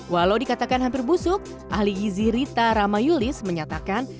walau dikatakan hampir busuk ahli gizi rita ramayulis menyatakan